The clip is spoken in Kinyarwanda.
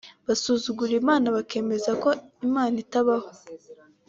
busuzugura Imana bukemeza ko Imana itabaho